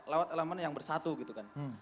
lewat elemen yang bersatu gitu kan